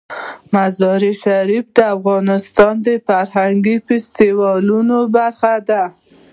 مزارشریف د افغانستان د فرهنګي فستیوالونو برخه ده.